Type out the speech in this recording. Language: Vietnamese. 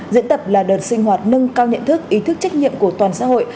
diễn tập là đợt sinh hoạt nâng cao nhận thức ý thức trách nhiệm của toàn xã hội